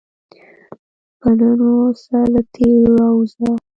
په نن واوسه، له تېر راووځه.